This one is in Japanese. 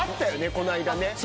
この間ね。